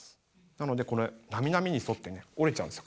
なのでこれなみなみにそってね折れちゃうんですよ